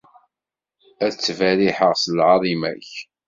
Ad ttberriḥeɣ s lɛaḍima-k.